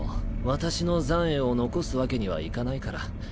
私の残穢を残すわけにはいかないから。